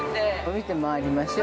◆見て回りましょう。